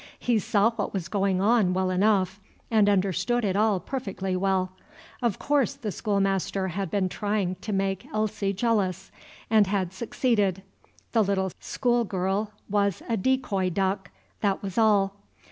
He saw what was going on well enough, and understood it all perfectly well. Of course the schoolmaster had been trying to make Elsie jealous, and had succeeded. The little schoolgirl was a decoy duck, that was all.